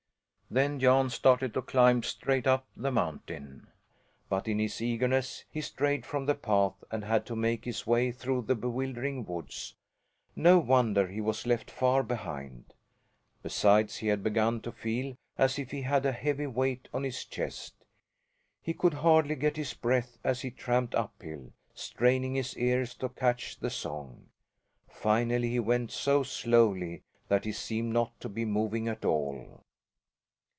Then Jan started to climb straight up the mountain; but in his eagerness he strayed from the path and had to make his way through the bewildering woods. No wonder he was left far behind! Besides he had begun to feel as if he had a heavy weight on his chest; he could hardly get his breath as he tramped uphill, straining his ears to catch the song. Finally he went so slowly that he seemed not to be moving at all.